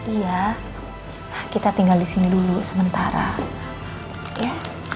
iya kita tinggal disini dulu sementara ya